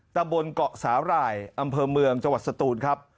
ตะบนเกาะสาหร่ายอำเภอเมืองจังหวัดสตูนครับ